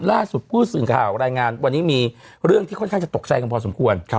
ล่าสุดผู้สื่อข่าวรายงานวันนี้มีเรื่องที่ค่อนข้างจะตกใจกันพอสมควร